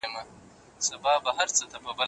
ډېری وخت څو احساسات سره ګډ وي.